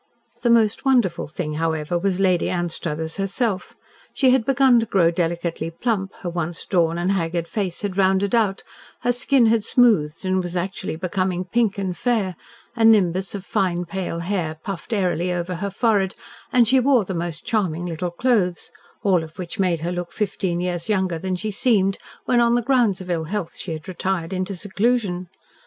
The most wonderful thing, however, was Lady Anstruthers herself. She had begun to grow delicately plump, her once drawn and haggard face had rounded out, her skin had smoothed, and was actually becoming pink and fair, a nimbus of pale fine hair puffed airily over her forehead, and she wore the most charming little clothes, all of which made her look fifteen years younger than she had seemed when, on the grounds of ill health, she had retired into seclusion.